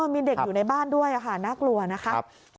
มีเด็กอยู่ในบ้านด้วยค่ะน่ากลัวนะครับ